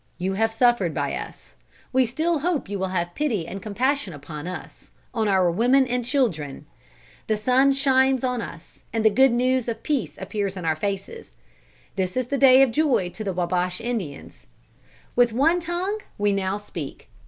You have suffered by us. We still hope you will have pity and compassion upon us, on our women and children. The sun shines on us, and the good news of peace appears in our faces. This is the day of joy to the Wabash Indians. With one tongue we now speak.